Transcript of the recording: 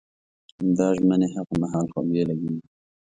دا ژمنې هغه مهال خوږې لګېږي.